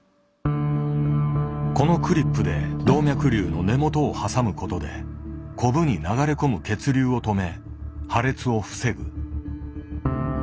このクリップで動脈瘤の根元を挟むことでコブに流れ込む血流を止め破裂を防ぐ。